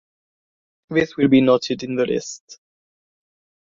This will be noted in the list.